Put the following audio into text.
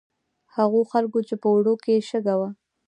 هغو خلکو چې په اوړو کې یې شګه وه.